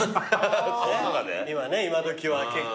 今ね今どきは結構。